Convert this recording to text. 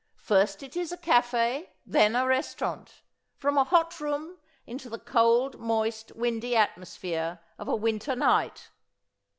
First, it's a café, then, a restaurant! From a hot room into the cold, moist, windy atmosphere of a winter night!"